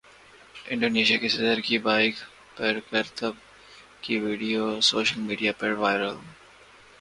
Indonesia کے صدر کی بائیک پر کرتب کی ویڈیو سوشل میڈیا پر وائرل